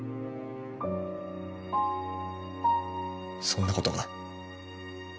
そんなことが。